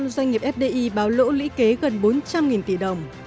sáu mươi doanh nghiệp fdi báo lỗ lĩ kế gần bốn trăm linh tỷ đồng